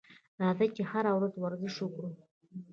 راځئ چې هره ورځ ورزش وکړو.